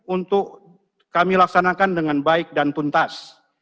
untuk kami laksanakan dengan baik dan tuntas